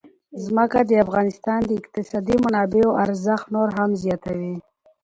ځمکه د افغانستان د اقتصادي منابعو ارزښت نور هم زیاتوي.